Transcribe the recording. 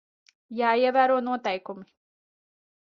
Jāievēro noteikumi.